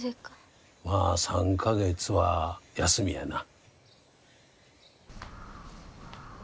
まあ３か月は休みやな。